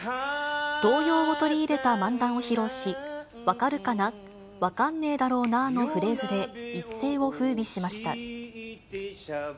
童謡を取り入れた漫談を披露し、分かるかなぁ、分かんねぇだろうなぁのフレーズで、一世をふうびしました。